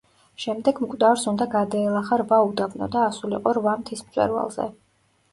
შემდეგ მკვდარს უნდა გადაელახა რვა უდაბნო და ასულიყო რვა მთის მწვერვალზე.